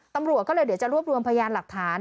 ตำรวจก็เลยเดี๋ยวจะรวบรวมพยานหลักฐาน